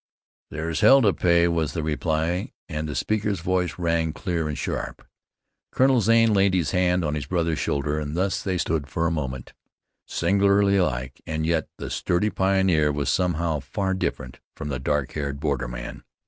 "There's hell to pay," was the reply, and the speaker's voice rang clear and sharp. Colonel Zane laid his hand on his brother's shoulder, and thus they stood for a moment, singularly alike, and yet the sturdy pioneer was, somehow, far different from the dark haired borderman.